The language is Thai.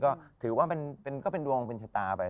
ก็ถือว่าเป็นดวงเป็นชะตาไป